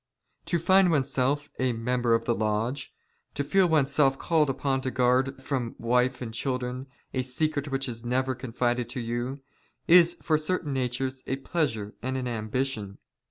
" To find oneself a member of a lodge, to feel oneself called '^upon to guard from wife and children, a secret which is never " confided to you, is for certain natures a pleasure and an am '' bition.